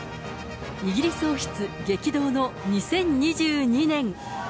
イギリス王室激動の２０２２年。